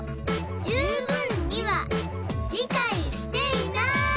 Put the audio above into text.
「十分には理解していない」